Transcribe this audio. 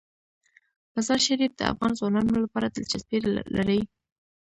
مزارشریف د افغان ځوانانو لپاره دلچسپي لري.